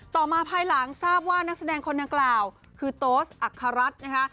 ต่อมาภายหลังทราบว่านักแสดงคนดังกล่าวคือโต๊สอัคฮรัฐนะคะ